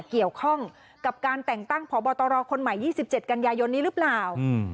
เกี่ยวข้องกับการแต่งตั้งพบตรคนใหม่๒๗กันยายนนี้หรือเปล่า